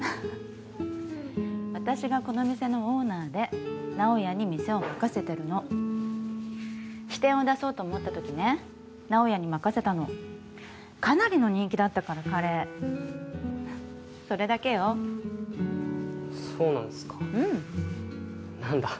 私がこの店のオーナーで直哉に店を任せてるの支店を出そうと思った時ね直哉に任せたのかなりの人気だったから彼それだけよそうなんすかうん何だ